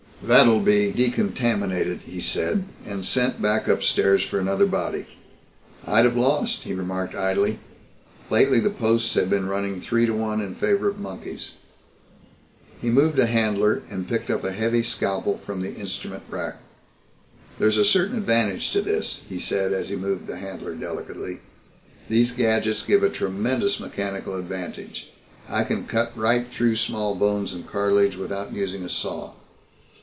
"That'll be decontaminated," he said, "and sent back upstairs for another body. I'd have lost," he remarked idly. "Lately the posts have been running three to one in favor of monkeys." He moved a handler and picked up a heavy scalpel from the instrument rack. "There's a certain advantage to this," he said as he moved the handler delicately. "These gadgets give a tremendous mechanical advantage. I can cut right through small bones and cartilage without using a saw."